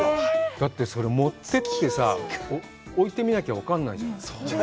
だってそれ、持ってきてさ、置いてみなきゃ分からないじゃん。